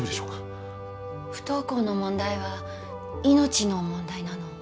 不登校の問題は命の問題なの。